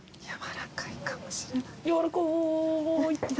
軟らかいかもしれない。